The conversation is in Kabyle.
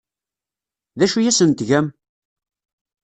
D acu ay asen-tgam?